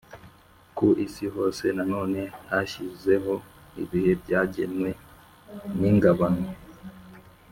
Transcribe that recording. ku isi hose Nanone yashyizeho ibihe byagenwe g n ingabano